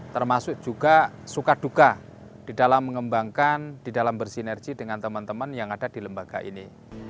termasuk juga suka duka di dalam mengembangkan di dalam bersinergi dengan teman teman yang ada di lembaga ini